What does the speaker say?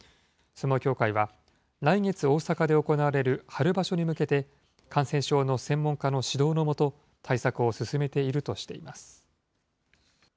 相撲協会は来月、大阪で行われる春場所に向けて、感染症の専門家の指導の下、対策を進めているとしています。